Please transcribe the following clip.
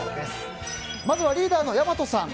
まずはリーダーのやまとさん。